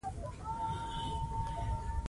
ایا دا طریقه کار کوي؟